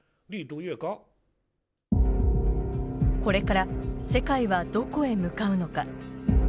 これから世界はどこへ向かうのか。